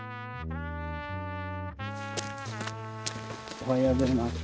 おはようございます。